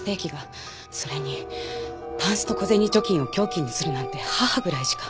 それにパンスト小銭貯金を凶器にするなんて母ぐらいしか。